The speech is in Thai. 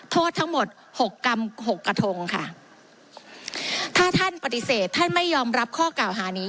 โทษทั้งหมดหกกรรมหกกระทงค่ะถ้าท่านปฏิเสธท่านไม่ยอมรับข้อกล่าวหานี้